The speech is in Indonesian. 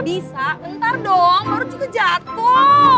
bisa bentar dong lo harus jatuh